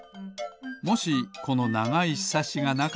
もしこのながいひさしがなかったら。